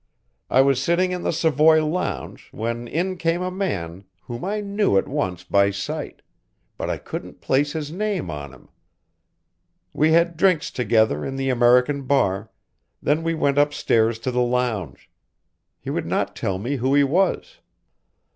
I was sitting in the Savoy lounge when in came a man whom I knew at once by sight, but I couldn't place his name on him. We had drinks together in the American bar, then we went upstairs to the lounge. He would not tell me who he was.